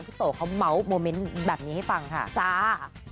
โตเขาเมาส์โมเมนต์แบบนี้ให้ฟังค่ะจ้า